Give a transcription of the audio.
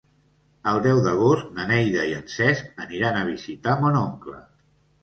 El deu d'agost na Neida i en Cesc aniran a visitar mon oncle.